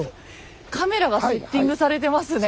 カメラがセッティングされてますね。